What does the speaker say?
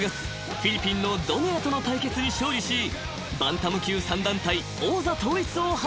フィリピンのドネアとの対決に勝利しバンタム級３団体王座統一を果たすと］